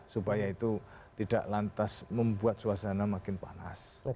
supaya itu tidak lantas membuat suasana makin panas